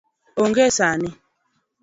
Onge sani